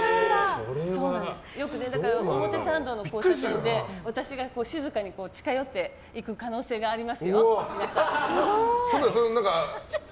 よく表参道の交差点で私が静かに近寄っていく可能性がありますよ、皆さん。